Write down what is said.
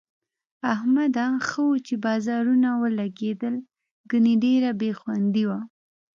احمده! ښه وو چې بازارونه ولږېدل، گني ډېره بې خوندي وه.